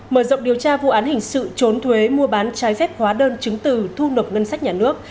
mở rộng điều tra vụ án hình sự trốn thuế mua bán trái phép hóa đơn chứng từ thu nộp ngân sách nhà nước